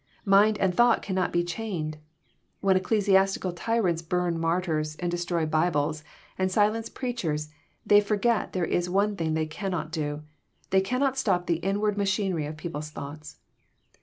Mind and thought cannot be chained. When ecclesiastical tyrants burn martyrs, and destroy Bibles, and si lence preachers, they forget there is one thing they cannot do. They cannot stop the inward machinery of people's thoughts.